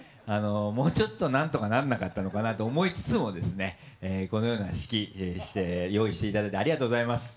もうちょっと何とかならなかったのかなと思いつつも、このような式を用意していただいてありがとうございます。